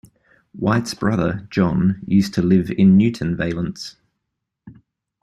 White's brother, John, used to live in Newton Valence.